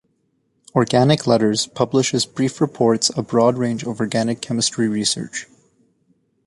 Organic Letters publishes brief reports a broad range of organic chemistry research.